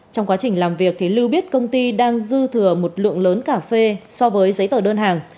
trong quá trình làm việc lưu biết công ty đang dư thừa một lượng lớn cà phê so với giấy tờ đơn hàng